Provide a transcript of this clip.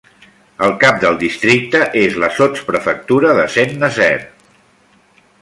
El cap del districte és la sotsprefectura de Saint-Nazaire.